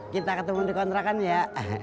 kita ketemu di kontrakan ya